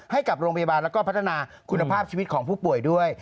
ให้กับโรงพยาบาลแล้วก็พัฒนาคุณภาพชีวิตของผู้ป่วยด้วย